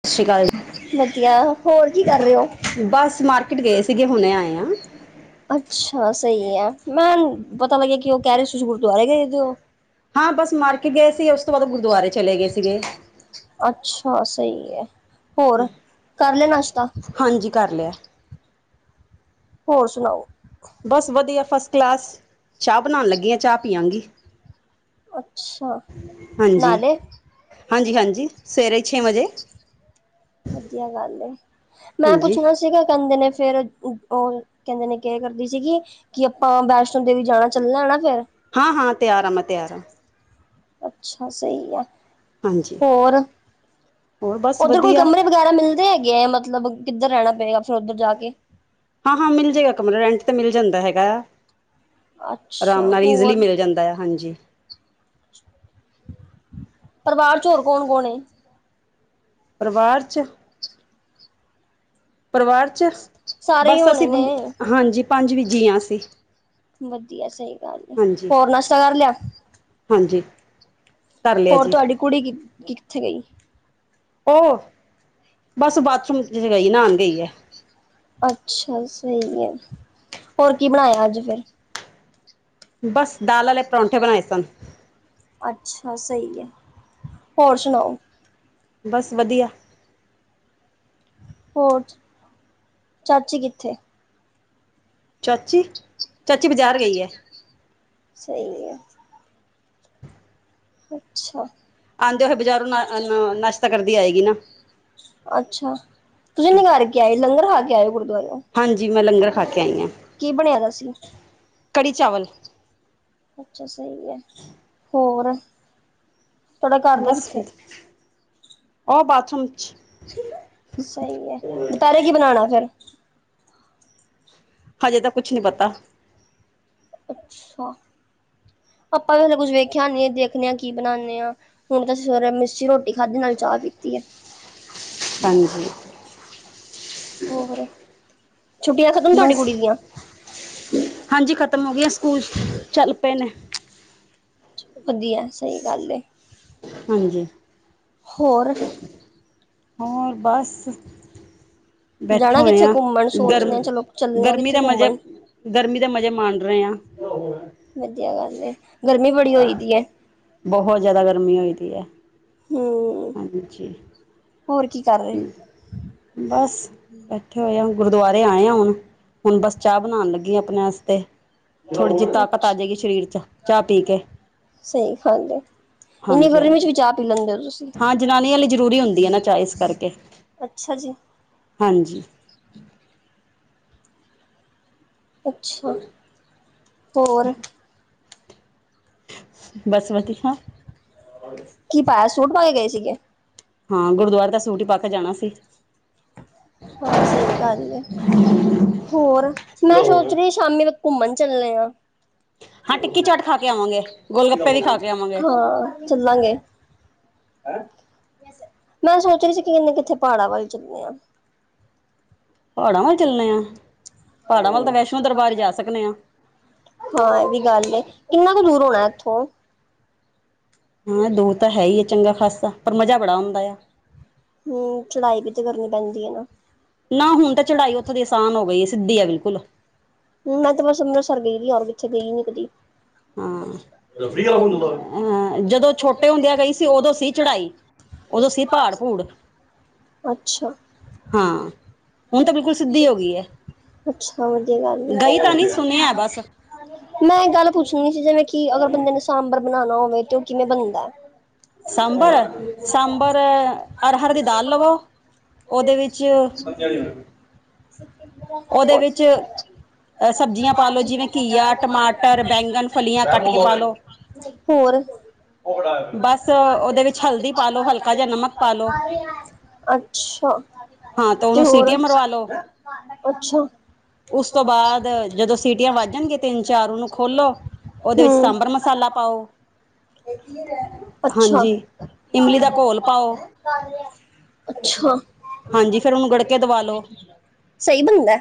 ਸਤਿ ਸ਼੍ਰੀ ਸਸ੍ਰੀ ਅਕਾਲ ਜੀ, ਵਧੀਆ ਹੋਰ ਕੀ ਕਰ ਰਹੇ ਹੋ। ਜੀ ਬਸ ਮਾਰਕੀਟ ਗਏ ਸੀਗੇ, ਹੁਨੇ ਆਏ ਹਾਂ। ਅੱਛਾ ਸਹੀ ਹੈ ਮੈਂ ਪਤਾ ਲੱਗਿਆ ਕਿ ਉਹ ਕਹਿ ਰਹੇ ਸੀ ਗੁਰਦੁਆਰੇ ਗਏ ਓ ਹਾਂ ਬਸ ਮਾਰਕੀਟ ਗਏ ਸੀਗੇ ਫਿਰ ਉਸ ਤੋਂ ਬਾਅਦ ਗੁਰਦੁਆਰੇ ਚਲੇ ਗਏ ਸੀਗੇ। ਅੱਛਾ ਸਈ ਐ ਹੋਰ ਕਰ ਲਿਆ ਨਾਸ਼ਤਾ? ਹਾਂਜੀ ਕਰ ਲਿਆ ਹੋਰ ਸੁਣਾਓ। ਬਸ ਵਧੀਆ ਫਸਟ ਕਲਾਸ ਚਾਹ ਬਣਾਣ ਲੱਗੀ ਆ ਚਾਹ ਪੀਆਂਗੀ। ਅੱਛਾ ਨਾਲੇ? ਹਾਂਜੀ-ਹਾਂਜੀ ਸਵੇਰੇ ਈ ਛੇ ਵਜੇ। ਵਧੀਆ ਗੱਲ ਏ ਮੈਂ ਹਾਂਜੀ ਪੁੱਛਣਾ ਸੀਗਾ ਕੈਂਦੇ ਨੇ ਫੇਰ ਓ ਕੈਂਦੇ ਨੇ ਕੇ ਕਰਦੀ ਸੀਗੀ ਕਿ ਆਪਾਂ ਵੈਸ਼ਨੋ ਦੇਵੀ ਜਾਣਾ ਚੱਲਣਾ ਨਾ ਫੇਰ। ਹਾਂ-ਹਾਂ ਤਿਆਰ ਆ ਮੈਂ ਤਿਆਰ ਆ। ਅੱਛਾ ਸਈ ਐ ਹਾਂਜੀ ਹੋਰ। ਹੋਰ ਬਸ ਓਧਰ ਕੋਈ ਵਧੀਆ ਕਮਰੇ ਵਗੈਰਾ ਮਿਲਦੇ ਹੈਗੇ ਐ ਮਤਲਬ ਕਿੱਧਰ ਰੈਣਾ ਪਏਗਾ ਫਿਰ ਉੱਧਰ ਜਾ ਕੇ। ਹਾਂ-ਹਾਂ ਮਿਲ ਜੇਗਾ ਕਮਰਾ ਰੈਂਟ ਤੇ ਮਿਲ ਜਾਂਦਾ ਹੈਗੈ। ਰਾਮ ਅੱਛਾ ਨਾਲ ਈਜ਼ਲੀ ਹੋਰ ਮਿਲ ਜਾਂਦਾ ਆ ਹਾਂਜੀ। ਪਰਿਵਾਰ ਚ ਹੋਰ ਕੌਣ-ਕੌਣ ਏਂ? ਪਰਵਾਰ ਚ। ਪਰਵਾਰ ਚ ਸਾਰੇ ਹੀ ਬਸ ਹੋਣੇ ਅਸੀਂ ਨੇ। ਹਾਂਜੀ ਪੰਜ ਵੀ ਜੀਆਂ ਅਸੀਂ। ਵਧੀਆ ਸਈ ਗੱਲ ਏ ਹਾਂਜੀ ਹੋਰ ਨਾਸ਼ਤਾ ਕਰ ਲਿਆ। ਹਾਂਜੀ। ਕਰ ਲਿਆ ਹੋਰ ਜੀ ਤੁਹਾਡੀ ਕੁੜੀ ਕੀ ਕਿੱਥੇ ਗਈ? ਓ ਬਸ ਬਾਥਰੂਮ ਚ ਗਈ ਨਾਨ ਗਈ ਐ। ਅੱਛਾ ਸਹੀ ਏ ਹੋਰ ਕੀ ਬਣਾਇਆ ਅੱਜ ਫਿਰ? ਬਸ ਦਾਲ ਆਲੇ ਪਰੌਂਠੇ ਬਣਾਏ ਸਨ। ਅੱਛਾ ਸਈ ਐ ਹੋਰ ਸੁਣਾਓ? ਬਸ ਵਧੀਆ। ਹੋਰ ਚਾਚੀ ਕਿੱਥੇ? ਚਾਚੀ ਚਾਚੀ ਚਾਚੀ-ਚਾਚੀ ਬਾਜ਼ਾਰ ਬਾਜਾਰ ਗਈ ਐ ਹੈ ਸਈ ਏ। ਅੱਛਾ। ਆਉਂਦੇ ਆਂਦੇ ਹੋਏ ਬਾਜ਼ਾਰੋਂ ਨਾ ਬਜਾਰੋਂ [unintelligible] ਨਾਸ਼ਤਾ ਨਸਤਾ ਕਰਦੀ ਕਰਕੇ ਆਏ ਆਏਗੀ ਗੀ ਨਾ ਨਾ ਅੱਛਾ। ਤੁਸੀਂ ਨਿਗਾਰ ਕੇ ਆਏ ਲੰਗਰ ਖਾ ਕੇ ਆਇਓ ਗੁਰਦੁਆਰੇ [unintelligible] ਜੀ ਮੈਂ ਲੰਗਰ ਖਾ ਕੇ ਆਈ ਆ। ਕੀ ਬਣਿਆ ਦਾ ਸੀ? ਕੜੀ ਚਾਵਲ। ਅੱਛਾ ਸਈ ਐ ਹੋਰ? ਤੁਹਾਡਾ ਘਰ ਆਲਾ ਬਸ ਕਿੱਥੇ? ਵਧ ਓ ਬਾਥਰੂਮ 'ਚ ਸਈ ਐ ਦੁਪੈਰੇ ਕੀ ਬਣਾਣਾ ਫਿਰ? ਹਜੇ ਤਾਂ ਕੁੱਛ ਕੁਛ ਨਹੀਂ ਨੀ ਪਤਾ ਪਤਾ ਅੱਛਾ। ਆਪਾਂ ਵੀ ਹਲੇ ਕੁੱਝ ਵੇਖਿਆ ਨੀ ਦੇਖਨੇ ਆ ਕੀ ਬਣਾਨੇ ਆ। ਹੁਣ ਤਾ ਅਸੀ ਸਵੇਰੇ ਮੀਸੀ ਰੋਟੀ ਖਾਧੀ ਨਾਲੇ ਚਾਹ ਪੀਤੀ ਐ। ਹਾਂਜੀ। ਹੋਰ ਛੁੱਟੀਆਂ ਖਤਮ ਤੁਹਾਡੀ ਬਸ ਕੁੜੀ ਦੀਆ? ਹਾਂਜੀ ਖਤਮ ਹੋ ਗੀਆਂ ਸਕੂਲ ਚੱਲ ਪੇ ਨੇ। ਚ ਵਧੀਐ ਸਈ ਗੱਲ ਏ। ਹਾਂਜੀ। ਹੋਰ। ਹੋਰ ਬਸ ਬੈਠੇ ਜਾਣਾ ਹੋਏ ਕਿੱਥੇ ਆ ਘੁੰਮਣ ਸੋਚਦੇ ਗਰਮ ਆ ਚਲੋ ਚੱਲੇ ਆ ਗਰਮੀ ਕਿੱਥੇ ਦਾ ਮਜ਼ਾ ਘੁੰਮਣ। ਗਰਮੀ ਦਾ ਮਜ਼ਾ ਮਾਣ ਰਹੇ ਹਾਂ ਵਧੀਆ ਗੱਲ ਏ, ਗਰਮੀ ਬੜੀ ਹੋਈ ਦੀ ਐ। ਬੋਹ ਜ਼ਿਆਦਾ ਗਰਮੀ ਹੋਈ ਦੀ ਐ। ਹੂੰ। ਹਾਂਜੀ। ਹੋਰ ਕੀ ਕਰ ਰੇ? ਬਸ ਬੈਠੇ ਹੋਏ ਆ ਗੁਰਦੁਵਾਰੇ ਆਏ ਆ ਹੁਣ, ਹੁਣ ਬਸ ਚਾਹ ਬਣਾਣ ਲੱਗੀ ਆਪਣੇ ਅਸਤੇ। ਥੋੜ੍ਹੀ ਜੀ ਤਾਕਤ ਆ ਅੱਛਾ ਜੇਗੀ ਸ਼ਰੀਰ 'ਚ ਚਾ ਪੀ ਕੇ। ਸਈ ਹਲ ਏ। ਇੰਨੀ ਗਰਮੀ ਚ ਹਾਂਜੀ-ਹਾਂਜੀ, ਵੀ ਚਾਹ ਪੀ ਲੈਂਦੇ ਹੋ ਤੁਸੀਂ ਹਾਂ ਜਨਾਨੀਆਂ ਲਈ ਜ਼ਰੂਰੀ ਹੁੰਦੀ ਏ ਨਾ ਚਾ‌ ਇਸ ਕਰਕੇ, ਅੱਛਾ ਜੀ ਹਾਂਜੀ। ਅੱਛਾ, ਹੋਰ? ਬਸ ਵਧੀਆ। ਕੀ ਪਾਇਆ ਸੂਟ ਪਾ ਕੇ ਗਏ ਸੀਗੇ? ਹਾਂ ਗੁਰਦੁਵਾਰੇ ਤਾਂ ਸੂਟ ਈ ਪਾ ਕੇ ਜਾਣਾ ਸੀ। ਹਾਂ ਸਈ ਗੱਲ ਏ, ਹੋਰ ਮੈਂ ਸੋਚ ਰੀ ਸ਼ਾਮੀ ਵਕ ਘੁੰਮਣ ਚੱਲੇ ਆ। ਹਾਂ ਟਿੱਕੀ ਚਾਟ ਖਾ ਕੇ ਆਵਾਂਗੇ ਗੋਲ ਗੱਪੇ ਵੀ ਖਾ ਕੇ ਆਵਾਂਗੇ ਹਾਂ। ਚੱਲਾਂਗੇ। ਮੈਂ ਸੋਚ ਰੀ ਸੀ ਕੀ ਏਨੇ ਕਿੱਥੇ ਪਹਾੜਾਂ ਵੱਲ ਚੱਲੇ ਆ। ਪਹਾੜਾਂ ਵੱਲ ਚੱਲੇ ਆ, ਪਹਾੜਾਂ ਵੱਲ ਤਾ ਵੈਸ਼ਨੋ ਦਰਬਾਰ ਜਾ ਸਕਨੇ ਆ। ਹਾਂ ਏ ਵੀ ਗੱਲ ਏ, ਕਿੰਨਾ ਕ ਦੂਰ ਹੋਣਾ ਐਥੋਂ? ਹਾਂ ਦੂਰ ਤਾਂ ਹੈ ਈ ਚੰਗਾ ਖਾਸਾ‌ ਪਰ ਮਜ਼ਾ ਬੜਾ ਆਉਂਦਾ ਆ। ਹੂੰ ਚੜਾਈ ਵੀ 'ਤੇ ਕਰਨੀ ਪੈਂਦੀ ਏ ਨਾ। ਨਾ ਹੁਣ 'ਤੇ ਚੜਾਈ ਉੱਥੋਂ ਦੀ ਅਸਾਨ ਹੋ ਗਈ ਏ ਸਿੱਧੀ ਐ ਬਿਲਕੁੱਲ। ਮੈਂ ਤਾਂ ਬਸ ਅੰਬਰਸਰ ਗਈ ਵੀ ਆ ਔਰ ਕਿੱਥੇ ਗਈ ਨੀ ਕਦੀ। ਹਾਂ, ਅਹਾ ਜਦੋਂ ਛੋਟੇ ਹੁੰਦੇ ਆ ਗਈ ਸੀ ਉਦੋਂ ਸੀ ਚੜਾਈ। ਉਦੋਂ ਸੀ ਪਾੜ-ਪੂੜ। ਅੱਛਾ। ਹੁਣ ਤਾਂ ਬਿਲਕੁਲ ਸਿੱਧੀ ਹੋ ਗਈ ਹੈ। ਅੱਛਾ ਵਧੀਆ ਗੱਲ ਗਈ ਤਾਂ ਨਹੀਂ ਏ। ਸੁਣਿਆ ਬਸ ਮੈਂ ਇਕ ਗੱਲ ਪੁੱਛਣੀ ਸੀ ਜਿਵੇਂ ਕਿ ਅਗਰ ਬੰਦੇ ਨੇ ਸਾਂਭਰ ਬਣਾਣਾ ਹੋਵੇ 'ਤੇ ਓ ਕਿਵੇਂ ਬਣਦਾ ਐ? ਸਾਂਬਰ, ਸਾਂਬਰ ਅਰ ਹਰ ਦੀ ਦਾਲ ਲਵੋ, ਉਦੇ ਵਿੱਚ ਵਿੱਚ [inaudible] ਸਬਜ਼ੀਆਂ ਪਾ ਲਓ ਜਿਵੇਂ ਘੀਆ ਟਮਾਟਰ ਬੈਂਗਣ ਫਲੀਆਂ ਕੱਟ ਕੇ ਪਾ ਲਓ। [inaudible] ਹੋਰ? [inaudible] ਬਸ ਉਹਦੇ ਵਿੱਚ ਹਲਦੀ ਪਾ ਲੋ ਹਲਕਾ ਜਿਹਾ ਨਮਕ ਪਾ ਲੋ ਅੱਛਾ ਹਾਂ ਤਾਂ 'ਤੇ ਉਹਨੂੰ ਹੋਰ? ਸੀਟੀਆਂ ਮਰਵਾ ਲੋ ਅੱਛਾ! ਬਾਦ ਜਦੋਂ ਸੀਟੀਆਂ ਵਾ ਜਾਣਗੀਆ ਤਿੰਨ-ਚਾਰ ਉਨੂੰ ਖੋਲੋ ਉਦੇ ਵਿੱਚ ਹੂੰ ਸਾਂਭਰ ਮਸਾਲਾ ਪਾਓ ਅੱਛਾ ਹਾਂਜੀ, ਇਮਲੀ ਦਾ ਘੋਲ ਪਾਓ। ਅੱਛਾ, ਹਾਂਜੀ ਫਿਰ ਉਹਨੂੰ ਗੜਕੇ ਦਵਾ ਲੋ ਸਈ ਬਣਦੈ‌।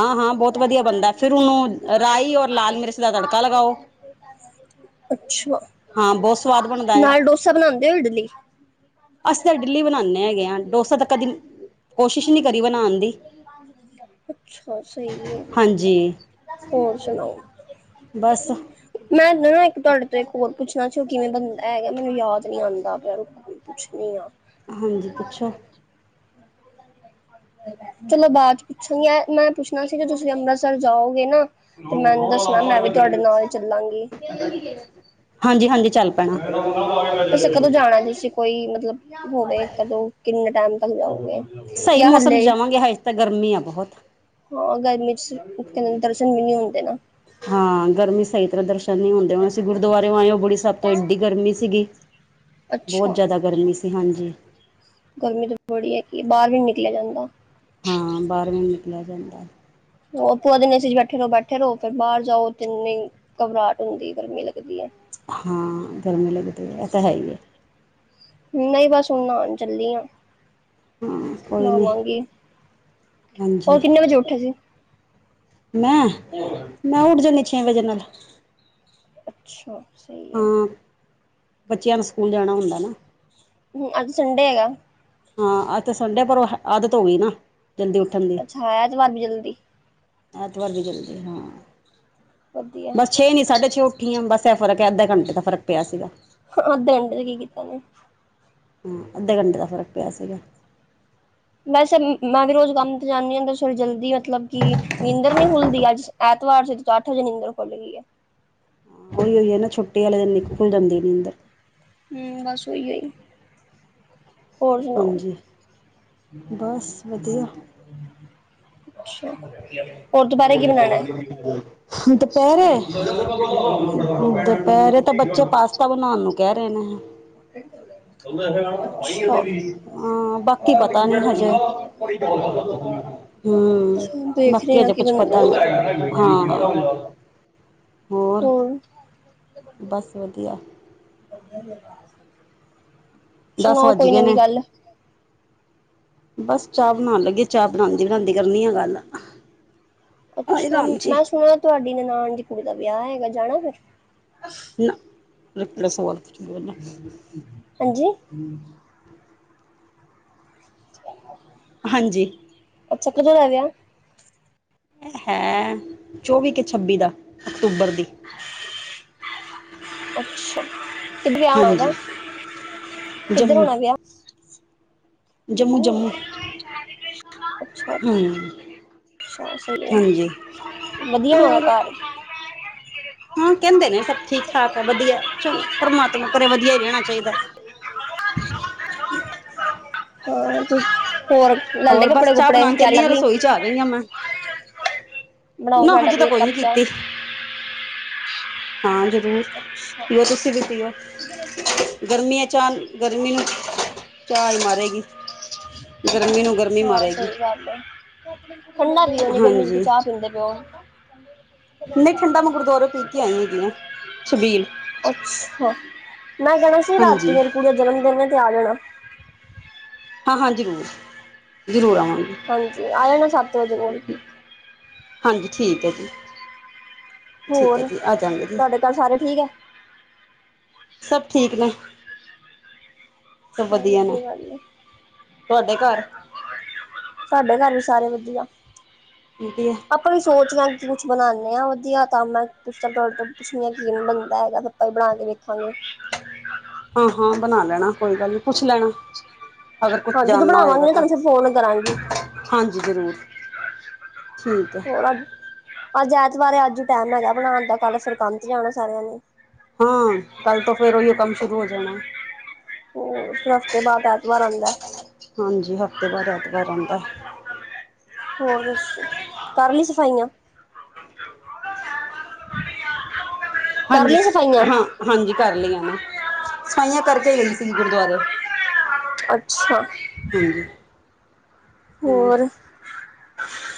ਹਾਂ-ਹਾਂ ਬੋ ਤ ਵਧੀਆ ਬਣਦੈ ਫਿਰ ਉਨੂੰ ਰਾਈ ਔਰ ਲਾਲ ਮਿਰਚ ਦਾ ਤੜਕਾ ਲਗਾਓ। [inaudible] ਅੱਛਾ ਹਾਂ ਬਹੁਤ ਸਵਾਦ ਬਣਦਾ ਆ ਨਾਲ ਡੋਸਾ ਬਣਾਉਂਦੇ ਓ ਇਡਲੀ? ਅਸੀਂ ਤਾਂ ਇਡਲੀ ਬਣਾਨੇ ਹੈਗੇ ਆ ਡੋਸਾ ਤਾਂ ਕਦੀ ਕੋਸ਼ਿਸ਼ ਨਹੀਂ ਕਰੀ ਬਣਾਉਣ ਦੀ ਅੱਛਾ ਸਈ ਏ ਹਾਂਜੀ। ਹੋਰ ਸੁਨਾਓ? ਬਸ ਮੈਂ ਨਾ ਇੱਕ ਤੁਹਾਡੇ ਤੋਂ ਇੱਕ ਹੋਰ ਪੁੱਛਣਾ ਚ ਕਿਵੇਂ ਬੰਦਾ ਹੈਗਾ ਮੈਨੂੰ ਯਾਦ ਨੀ ਆਂਦਾ ਪਿਆ ਪੁੱਛ ਨੀ ਆਂ ਹਾਂਜੀ ਪੁੱਛੋ? ਚਲੋ ਬਾੱਦ ਚ ਪੁੱਛਣੀ ਆ ਮੈਂ ਪੁੱਛਣਾ ਸੀ ਕਿ ਤੁਸੀਂ ਅੰਮ੍ਰਿਤਸਰ ਜਾਓਗੇ ਨਾ ਤੇ ਮੈਨੂੰ ਦੱਸਣਾ ਮੈਂ ਵੀ ਤੁਹਾਡੇ ਨਾਲ ਚੱਲਾਂਗੀ। ਹਾਂਜੀ- ਹਾਂਜੀ। ਚੱਲ ਪੈਣਾ ਤੁਸੀ ਕਦੋਂ ਜਾਣਾ ਤੁਸੀ? ਕੋਈ ਮਤਲਬ ਹੋਵੇ ਇਕ-ਦੋਂ ਕਿੰਨੇ ਟਾਈਮ ਤੱਕ ਜਾਊਂਗੇ? ਸਈ ਮੌਸਮ ਚ ਜਾਵਾਂਗੇ, ਹਜੇ ਤਾਂ ਗਰਮੀ ਆ ਬੋਹਤ। ਹਾਂ ਗਰਮੀ ਚ ਓਥੇ ਦਰਸ਼ਨ ਵੀ ਨੀ ਹੁੰਦੇ ਨਾ। ਹਾਂ ਗਰਮੀ ਚ ਸਈ ਤਰਾ ਦਰਸ਼ ਨੀ ਹੁੰਦੇ ਹੁਣ ਅਸੀਂ ਗੁਰਦਆਰੇ ਆਏ ਆ ਗੁੜੀ ਸਾਹਿਬ ਤੋਂ, ਏਡੀ ਗਰਮੀ ਸੀਗੀ ਬੋਹਤ ਅੱਛਾ ਜ਼ਾਦਾ। ਗਰਮੀ ਸੀਗੀ ਹਾਂਜੀ। ਗਰਮੀ ਤਾਂ ਬੜੀ ਹੈਗੀ ਏ, ਬਾਰ ਨੀ ਨਿਕਲਿਆ ਜਾਂਦਾ। ਹਾਂ ਬਾਰ ਨੀ ਨੀਕਲਿਆ ਜਾਂਦਾ। ਉਹ ਪੂਰਾ ਦਿਨ ਅਸੀਂ ਚ ਬੈਠੇ ਰੋ- ਬੈਠੇ ਰੋ ਫੇਰ ਬਾਰ ਜਾਓ ਤੇ ਇੰਨੀ ਕਬਰਾੱਟ ਹੁੰਦੀ ਗਰਮੀ ਲੱਗਦੀ ਏ। ਹਾਂ ਗਰਮੀ ਲੱਗਦੀ ਏ ਤਾਂ ਹੈ ਹੀ ਏ। ਨਈ ਬਸ ਹੁਣ ਨਾਣ ਚੱਲੀ ਆ। ਹਾਂ ਕੋਈ ਨਹੀਂ ਨਾਲਾਗੀ ਹਾਂਜੀ ਹੋਰ ਕਿੰਨੇ ਵਜੇ ਉੱਠੇ ਸੀ? ਮੈਂ, ਮੈਂ ਉੱਠ ਜਾਂਦੀ ਛੇ ਵਜੇ ਨਾਲ। ਅੱਛਾ ਸਈ ਹਾਂ ਬੱਚਿਆਂ ਨੂੰ ਸਕੂਲ ਜਾਣਾ ਹੁੰਦਾ ਨਾ। ਹੂੰ ਅੱਜ ਸੁਡੇ ਹੈਗਾ। ਹਾਂ ਅੱਜ ਤੇ ਸੰਡੇ ਪਰੋਂ ਆਦਤ ਹੋ ਗਈ ਨਾ ਜਲਦੀ ਉੱਠਣ ਦੀ। ਅੱਛਾ ਹੈ ਐਤਵਾਰ ਵੀ ਜਲਦੀ ਐਤਵਾਰ ਦੀ ਜਲਦੀ ਹਾਂ ਵਧੀਆ ਬਸ ਛੇ ਨੀ ਸਾਢੇ ਛੇ ਉੱਠੀ ਆ ਬਸ ਫਰਕ ਆ ਅੱਧਾ ਘੰਟੇ ਦਾ ਫਰਕ ਪਿਆ ਸੀਗਾ। ਅੱਧਾ ਘੰਟਾ ਕੀ ਕੀਤਾ ਫੇਰ? ਹੂੰ ਅੱਧੇ ਘੰਟੇ ਦਾ ਫ਼ਰਕ ਪਿਆ ਸੀਗਾ। ਵੈਸੇ ਮੈਂ ਵੀ ਰੋਜ਼ ਕੰਮ ਤੇ ਜਾਂਨੀ ਆ ਦੱਸੋ ਜਲਦੀ ਮਤਲਬ ਕਿ ਨੀਦਰ ਨੀ ਖੁੱਲਦੀ ਅੱਜ ਐਤਵਾਰ ਸੀ, ਅੱਠ ਵਜੇ ਨੀਂਦਰ ਖੁੱਲ ਗਈ ਐ। ਉਈ ਓ ਏ ਨਾ ਛੁੱਟੀ ਆਲੇ ਦਿਨ ਵੀ ਖੁੱਲ ਜਾਂਦੀ ਨੀਂਦਰ। ਹੂੰ ਬਸ ਓਹੀ ਓਈ ਹੋਰ ਸੁਣਾਓ? ਹਾਂਜੀ ਬਸ ਵਧੀਆ ਹੋਰ ਦੁਪੇੈਰੇ ਕੀ ਬਣਾਣਾ? ਦੁਪਹਿਰੇ ਪੈਂਡ ਪ [unintelligible] ਤਾ ਬਣਾਉਣ ਨੂੰ ਕਹਿ ਰੇ ਨੇ [unintelligible] [unintelligible] ਹਾਂ ਬਾਕੀ ਪਤਾ ਨੀ ਹਜੇ ਹਮ ਹੁਣ ਦੇਖ ਬਾਕੀ ਰਹੇ ਆ ਹਜੇ ਕਿ ਕੁਛ ਪਤਾ ਨਹੀਂ ਬਨਾਨੇ ਹਾਂ ਹੋਰ? ਬਸ ਵਧੀਆ। [inaudible] ਸੁਣਾਓ ਦਸ-ਵੱਜ ਕੋਈ ਗਏ ਨਵੀਂ ਨੇ, ਗੱਲ ਬਸ ਚਾਹ ਬਣਾਣ ਲੱਗੀ ਚਾਹ ਬਣਾਂਦੀ-ਬਣਾਂਦੀ ਕਰਨੀ ਆ ਗੱਲ, ਆਏ ਅੱਛਾ ਰਾਮ ਜੀ। ਮੈਂ ਸੁਣਿਆ ਤੁਹਾਡੀ ਨਣਾਨ ਦੀ ਕੁੜੀ ਦਾ ਵਿਆਹ ਹੈਗਾ, ਜਾਣਾ ਫਿਰ? ਨਾ, ਇਹ ਕਿਹੜਾ ਸਵਾਲ? ਪੁੱਛਣਾ ਹਾਂਜੀ? ਹਾਂਜੀ ਅੱਛਾ, ਕਿਦੋ ਦਾ ਵਿਆਹ? ਹੈ, ਚੌਵੀ ਕੇ ਛੱਬੀ ਦਾ, ਅਕਤੂਬਰ ਦੀ। [inaudible] ਅੱਛਾ, ਕਿੱਦ ਵਿਆਹ ਹੋਣਾ ਉਹਦਾ, ਹਾਂਜੀ ਕਿੱਧਰ ਜੰਮੂ ਹੋਣਾ ਵਿਆਹ? ਜੰਮੂ, ਅੱਛਾ। ਹਮ ਅੱਛਾ ਸਈ ਏ, ਹਾਂਜੀ ਵਧੀਆ ਹੋਣਾ ਹੋਰ ਘਰ। ਹਾਂ ਕਹਿੰਦੇ ਨੇ ਸਭ ਠੀਕ-ਠਾਕ ਹੈ, ਵਧੀਆ, ਚਲੋ ਪਰਮਾਤਮਾ ਕਰੇ ਵਧੀਆ ਈ ਰਹਿਣਾ ਚਾਹੀਦਾ। [inaudible] ਹਾਂ ਤੁਸੀਂ ਹੋਰ ਲੈ ਲਏ ਹੋਰ ਬਸ, ਕੱਪੜੇ ਚਾਹ ਕੁਪੜੇ ਬਣਾਣ ਤਿਆਰੀ ਚੱਲੀ ਕਰ ਆ, ਲਈ ਰਸੋਈ'ਚ ਆ ਗਈਆਂ ਮੈਂ। ਬਣਾਓ ਨਾ, ਸਾਡਾ ਹਜੇ ਵੀ ਤਾਂ ਇੱਕ ਕੋਈ ਨੀ ਕੱਪ ਚਾਹ ਕੀਤੀ। ਹਾਂ, ਜਰੂਰ। ਅੱਛਾ ਗਰਮੀ ਹੈ ਚਾਹ ਗਰਮੀ ਨੂੰ ਚਾਹ ਈ ਮਾਰੇਗੀ। ਗਰਮੀ ਨੂੰ। ਗਰਮੀ ਹਾਂ ਮਾਰੇਗੀ ਸਹੀ ਗੱਲ ਏ, ਠੰਡਾ ਪੀਓ ਏਨੀ ਗਰਮੀ'ਚ ਹਾਂਜੀ ਚਾਹ ਪੀਂਦੇ ਪਏ ਓ। ਨਹੀਂ ਠੰਡਾ ਮੈਂ ਗੁਰਦੁਆਰੋਂ ਪੀ ਕੇ ਆਈ ਹੈਗੀ ਆ ਛਬੀਲ ਅੱਛਾ। ਮੈਂ ਕਹਿਣਾ ਸੀ, ਰਾਤੀ ਹਾਂਜੀ ਮੇਰੀ ਕੁੜੀ ਦਾ ਜਨਮ-ਦਿਨ ਏ, ਤੇ ਆ ਜਾਣਾ। ਹਾਂ-ਹਾਂ, ਜ਼ਰੂਰ, ਜ਼ਰੂਰ ਆਵਾਂਗੇ। ਹਾਂਜੀ, ਆ ਜਾਣਾ ਸੱਤ ਵਜੇ ਕੋਲ। ਹਾਂਜੀ, ਠੀਕ ਐ ਜੀ। ਠੀਕ ਹੈ ਹੋਰ? ਜੀ ਆ ਜਾਂਗੇ ਜੀ ਤੁਹਾਡੇ ਘਰ ਸਾਰੇ ਠੀਕ ਐ? ਸਭ ਠੀਕ ਨੇ। ਸਭ ਅੱਛਾ, ਨੇ ਵਧੀਆ ਗੱਲ ਏ। ਤੁਹਾਡੇ ਘਰ ਸਾਡੇ ਘਰ ਵੀ ਸਾਰੇ ਵਧੀਆ। ਵਧੀਆ। ਆਪਾਂ ਵੀ ਸੋਚਦੇ ਹਾਂ ਕਿ ਕੁਛ ਬਣਾਂਨੇ ਆ, ਵਧੀਆ ਤਾਂ ਮੈਂ ਪੂਛਾਂ ਤਾਡੇ ਤੋਂ। ਪੁੱਛਦੀ ਆ ਕੀਵੇ ਬਣਦਾ ਹੈਗਾ, ਆਪਾਂ ਵੀ ਬਣਾਕੇ ਦੇੇਖਾਂਗੇ। ਹਾਂ-ਹਾਂ, ਬਣਾ ਲੈਣਾ। ਕੋਈ ਗੱਲ ਨੀ, ਪੁੱਛ ਲੈਣਾ, ਅਗਰ ਕੁਛ ਹਾਂ ਜਦੋਂ ਜਾਣਨਾ ਹੋਏਗਾ ਬਣਾਵਾਂਗੇ ਨਾ ਤਾਂ। ਤੁਹਾਨੂੰ ਫਿਰ ਫੋਨ ਕਰਾਂਗੀ ਹਾਂਜੀ ਜ਼ਰੂਰ, ਠੀਕ ਹੈ। ਹੋਰ ਅੱਜ ਐਤਵਾਰ ਏ, ਅੱਜ ਟੈਮ ਹੈਗਾ ਬਣਾਣ ਦਾ, ਕੱਲ ਫਿਰ ਕੰਮ ਤੇ ਜਾਣਾ ਸਾਰਿਆਂ ਨੇ। ਹਾਂ, ਕੱਲ ਤੋਂ ਫੇਰ ਓਹੀਓ ਕੰਮ ਸ਼ੁਰੂ ਹੋ ਜਾਣਾ। ਹੋਰ, ਫਿਰ ਹਫ਼ਤੇ ਬਾਅਦ ਐਤਵਾਰ ਆਂਦੈ। ਹਾਂਜੀ, ਹਫ਼ਤੇ ਬਾਅਦ ਐਤਵਾਰ ਆਂਦਾ। ਹੋਰ ਦਸੋ, ਕਰਲੀ ਸਫਾਈਆਂ? ਹਾਂਜੀ ਕਰਲੀ ਸਫਾਈਆਂ? ਹਾਂ ਹਾਂਜੀ ਕਰ ਕਰਲੀਆ। ਲਈਆਂ ਨਾ ਸਫ਼ਾਈਆਂ ਕਰਕੇ ਗਈ ਸੀ ਗੁਰਦੂਆਰੇ। ਅੱਛਾ। ਹਾਂਜੀ। ਹਾਂ ਹੋਰ?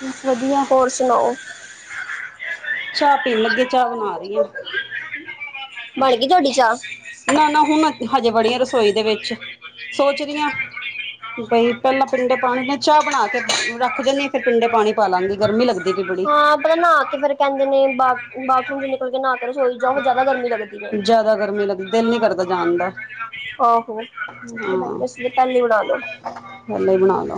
ਬਸ ਵਧੀਆ। ਹੋਰ ਸੁਣਾਓ [inaudible] ਚਾਹ ਪੀਣ ਲੱਗੇ ਚਾਹ ਬਣਾ ਰਹੀ ਹਾਂ ਬਣ ਗਈ ਤੁਹਾਡੀ ਚਾਹ? ਨਾ ਨਾ ਹੁਣ, ਮੈਂ ਹਜੇ ਵੜੀ ਆ ਰਸੋਈ ਦੇ ਵਿੱਚ, ਸੋਚ ਰਹੀ ਹਾਂ ਬਈ ਪਹਿਲਾਂ ਪਿੰਡੇ ਪਾਣੀ ਨੇ, ਚਾਹ ਬਣਾ ਕੇ ਰੱਖ ਜਾਂਦੀ ਹਾਂ ਫਿਰ ਪਿੰਡੇ ਪਾਣੀ ਪਾ ਲਾਂਗੀ ਗਰਮੀ ਲੱਗਦੀ ਪਈ ਬੜੀ ਹਾਂ, ਪਤਾ ਨਾ ਕੇ ਬਾਰੇ [unintelligible] ਕਹਿੰਦੇ ਨੇ, ਬਾ ਬਾਥਰੂਮ 'ਚ ਨਿਕਲ ਕੇ ਨਾ ਕੇ ਰਸੋਈ ਜਾ, ਉਹ ਜ਼ਿਆਦਾ ਗਰਮੀ ਲੱਗਦੀ ਏ। ਜ਼ਿਆਦਾ ਗਰਮੀ ਲੱਗਦੀ, ਦਿਲ ਨੀ ਕਰਦਾ ਜਾਣਦਾ ਆਹ ਹੋ, ਤਾਂ ਨਵੜ [unintelligible] [unintelligible] ਪਹਿਲਲੇ ਹੀ ਬਣਾ ਲਓ